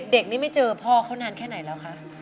เด็กนี้ไม่เจอพ่อเขานานแค่ไหนแล้วคะ